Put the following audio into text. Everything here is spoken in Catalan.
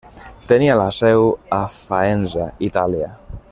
Tenia la seu a Faenza, Itàlia.